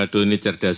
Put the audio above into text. waduh ini cerdas